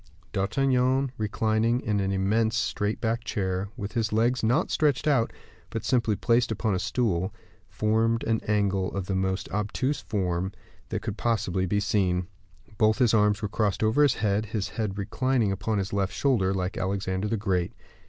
D'Artagnan, reclining in an immense straight backed chair, with his legs not stretched out, but simply placed upon a stool, formed an angle of the most obtuse form that could possibly be seen. Both his arms were crossed over his head, his head reclining upon his left shoulder, like Alexander the Great.